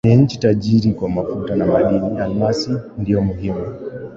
ni nchi tajiri kwa mafuta na madini almasi ndiyo muhimu